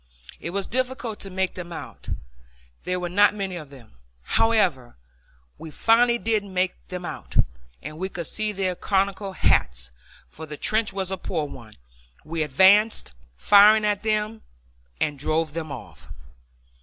It was difficult to make them out. There were not many of them. However, we finally did make them out, and we could see their conical hats, for the trench was a poor one. We advanced, firing at them, and drove them off.